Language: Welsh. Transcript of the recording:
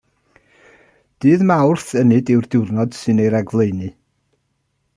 Dydd Mawrth Ynyd yw'r diwrnod sy'n ei ragflaenu.